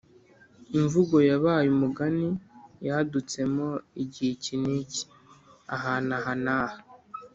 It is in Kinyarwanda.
imvugo yabaye umugani yadutsemo igihe iki n’iki, ahantu aha n’aha.